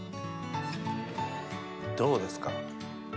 どうですか？